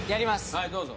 はいどうぞ。